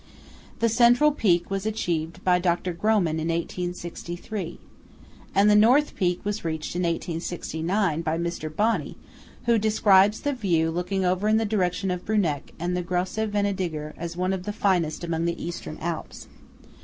The central peak was achieved by Dr. Grohmann in 1863. And the north peak was reached in 1867 by Mr. Bonney, who describes the view looking over in the direction of Bruneck and the Grosse Venediger as one of the finest among the Eastern Alps.